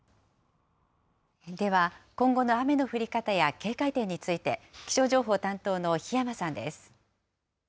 では、今後の雨の降り方や警戒点について、気象情報担当の檜山さんです。